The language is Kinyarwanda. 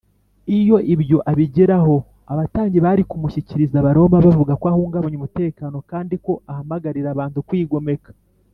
iyo ibyo abigeraho, abatambyi bari kumushyikiriza abaroma bavuga ko ahungabanya umutekano kandi ko ahamagarira abantu kwigomeka